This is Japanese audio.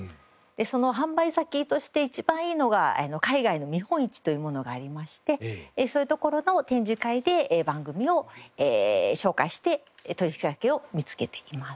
その販売先として一番いいのが海外の見本市というものがありましてそういうところの展示会で番組を紹介して取引先を見つけています。